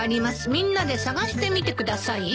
「みんなで深してみてください」